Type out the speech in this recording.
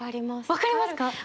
分かります。